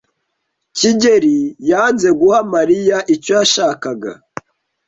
kigeli yanze guha Mariya icyo yashakaga.